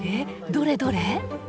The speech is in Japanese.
どれどれ？